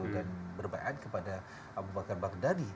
dan berbaik baik kepada abu bakar baghdadi